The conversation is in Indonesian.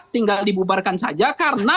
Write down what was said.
tinggal dibubarkan saja karena